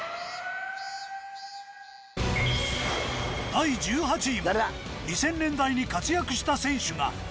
第１８位も２０００年代に活躍した選手がランクイン。